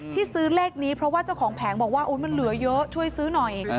ที่ซื้อเลขนี้เพราะว่าเจ้าของแผงบอกว่ามันเหลือเยอะช่วยซื้อหน่อย